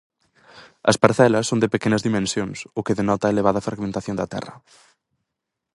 As parcelas son de pequenas dimensións, o que denota a elevada fragmentación da terra.